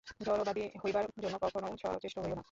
জড়বাদী হইবার জন্য কখনও সচেষ্ট হইও না।